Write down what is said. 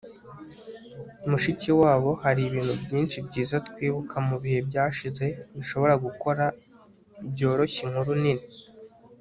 mushikiwabo, haribintu byinshi byiza twibuka mubihe byashize bishobora gukora byoroshye inkuru nini